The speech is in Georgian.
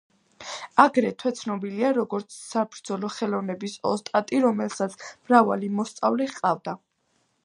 აგრეთვე ცნობილია, როგორც საბრძოლო ხელოვნების ოსტატი, რომელსაც მრავალი მოსწავლე ჰყავდა.